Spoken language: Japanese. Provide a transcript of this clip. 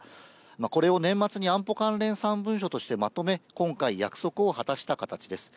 これを年末に安保関連３文書としてまとめ、今回、約束を果たした形です。